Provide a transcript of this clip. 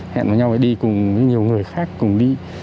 hẹn với nhau phải đi cùng với nhiều người khác cùng đi